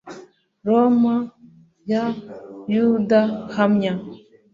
roma ya yudaya hamya